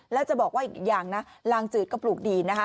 แล้วจะบอกว่าอีกอย่างนะลางจืดก็ปลูกดีนะคะ